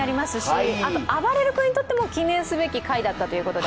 あばれる君にとっても記念すべき回ということで。